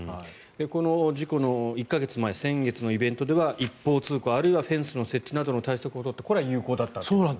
この事故の１か月前先月のイベントでは一方通行あるいはフェンスの設置などの対策を取ってそうなんです。